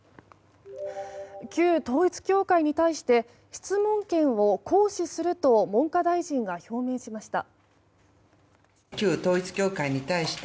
旧統一教会に対して質問権を行使すると文科大臣が表明しました。